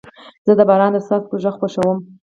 زه د باران د څاڅکو غږ خوښوم.